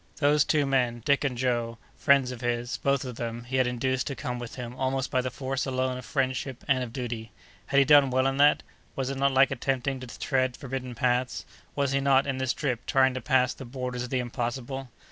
Those two men, Dick and Joe, friends of his, both of them, he had induced to come with him almost by the force alone of friendship and of duty. Had he done well in that? Was it not like attempting to tread forbidden paths? Was he not, in this trip, trying to pass the borders of the impossible?